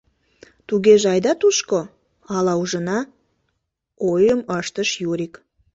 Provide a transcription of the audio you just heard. — Тугеже айда тушко, ала ужына, — ойым ыштыш Юрик.